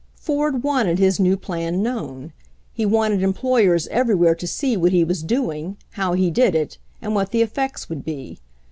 \ Ford wanted his new plan known; he wanted employers everywhere to see what he was doing, how he did it, and what the effects would be.